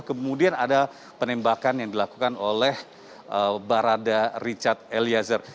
kemudian ada penembakan yang dilakukan oleh barada richard eliezer